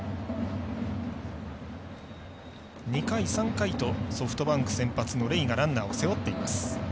２回、３回とソフトバンク先発のレイがランナーを背負っています。